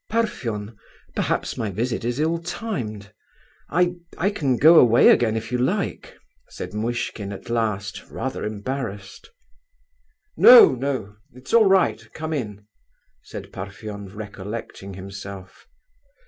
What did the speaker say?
"Parfen! perhaps my visit is ill timed. I—I can go away again if you like," said Muishkin at last, rather embarrassed. "No, no; it's all right, come in," said Parfen, recollecting himself.